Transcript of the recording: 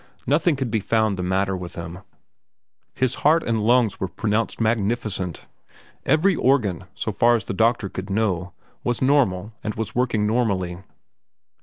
Nothing could be found the matter with him. His heart and lungs were pronounced magnificent. Every organ, so far as the doctor could know, was normal and was working normally.